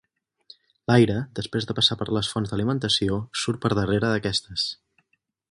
L'aire, després de passar per les fonts d'alimentació surt per darrere d'aquestes.